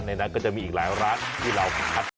ในนั้นก็จะมีอีกหลายร้านที่เราคัด